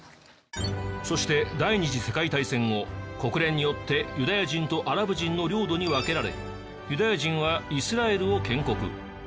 そして第２次世界大戦後国連によってユダヤ人とアラブ人の領土に分けられユダヤ人はイスラエルを建国。